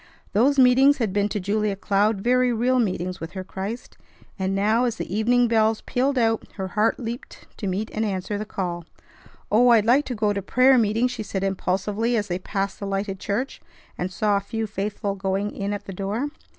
Those meetings had been to Julia Cloud very real meetings with her Christ; and now, as the evening bells pealed out, her heart leaped to meet and answer the call. "Oh! I'd like to go to prayer meeting!" she said impulsively as they passed the lighted church, and saw a few faithful going in at the door.